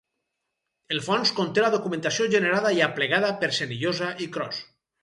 El fons conté la documentació generada i aplegada per Senillosa i Cros.